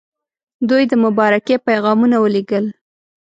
دوی د مبارکۍ پیغامونه ولېږل.